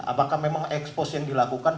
apakah memang ekspos yang dilakukan